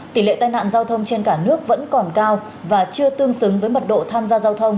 tỷ lệ tai nạn giao thông trên cả nước vẫn còn cao và chưa tương xứng với mật độ tham gia giao thông